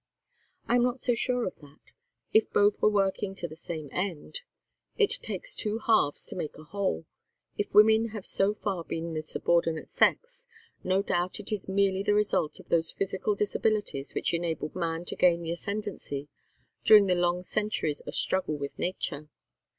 "I am not so sure of that, if both were working to the same end. It takes two halves to make a whole. If women have so far been the subordinate sex, no doubt it is merely the result of those physical disabilities which enabled man to gain the ascendency during the long centuries of struggle with nature.